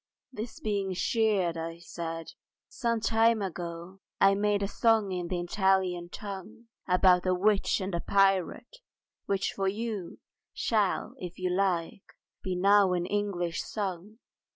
This being cheered, I said, "Some time ago I made a song in the Italian tongue About a witch and pirate—which for you Shall, if you like, be now in English sung."